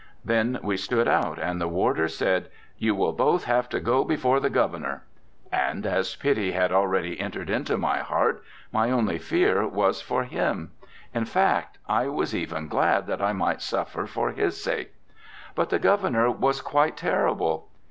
'Then we stood out, and the warder said, "You will both have to go before the Governor." And as pity had already entered into my heart, my only fear was for him; in fact I was even glad that I might suffer for his sake. But the Governor was quite terrible.